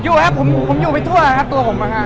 อยู่ครับผมอยู่ไปทั่วครับตัวผมนะฮะ